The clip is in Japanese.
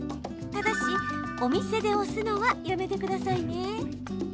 ただし、お店で押すのはやめてくださいね。